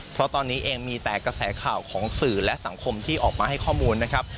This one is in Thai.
เพราะตอนนี้เองมีแต่กระแสข่าวของสื่อและสังคมที่ออกมาให้ข้อมูลนะครับ